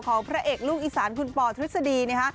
ของพระเอกลูกอีสานคุณป่อทฤษฎี